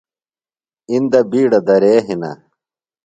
اِندہ بِیڈہ درے ہِنہ۔